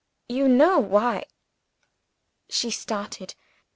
you know why." She started.